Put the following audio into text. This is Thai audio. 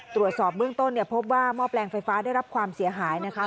ตรวจสอบเบื้องต้นเนี่ยพบว่าหม้อแปลงไฟฟ้าได้รับความเสียหายนะคะ